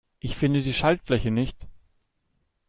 Ich finde die Schaltfläche nicht.